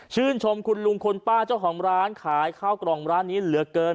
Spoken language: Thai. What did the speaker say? ชื่นชมคุณลุงคุณป้าเจ้าของร้านขายข้าวกล่องร้านนี้เหลือเกิน